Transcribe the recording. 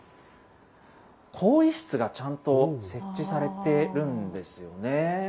更衣室がちゃんと設置されてるんですよね。